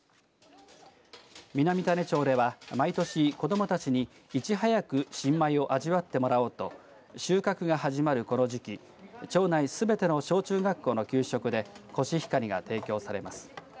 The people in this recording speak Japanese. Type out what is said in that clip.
南種子町では毎年子どもたちにいち早く新米を味わってもらおうと収穫が始まるこの時期町内すべての小中学校の給食でコシヒカリが提供されます。